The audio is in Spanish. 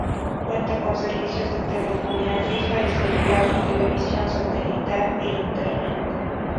Cuenta con servicios de telefonía fija y celular, televisión satelital e internet.